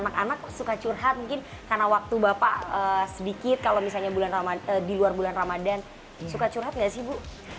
anak anak suka curhat mungkin karena waktu bapak sedikit kalau misalnya di luar bulan ramadhan suka curhat nggak sih bu